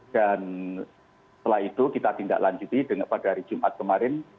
dan setelah itu kita tindak lanjuti dengan pada hari jumat kemarin